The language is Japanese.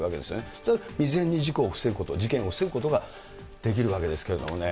それが未然に事故を防ぐこと、事件を防ぐことができるわけですけれどもね。